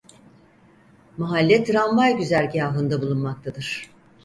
Mahalle tramvay güzergâhında bulunmaktadır.